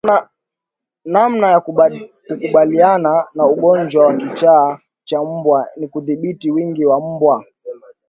Namna ya kukabiliana na ugonjwa wa kichaa cha mbwa ni kudhibiti wingi wa mbwa